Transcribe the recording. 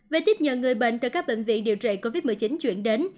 về tiếp nhận người bệnh từ các bệnh viện điều trị covid một mươi chín chuyển đến